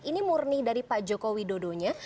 ini murni dari pak jokowi dodonya